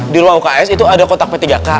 di ruang uks itu ada kotak p tiga k